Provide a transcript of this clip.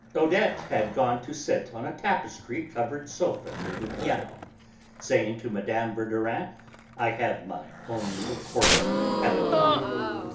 Odette had gone to sit on a tapestry covered sofa near the piano, saying to Mme. Verdurin, "I have my own little corner, haven't I?"